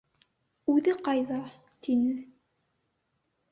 — Үҙе ҡайҙа? — тине.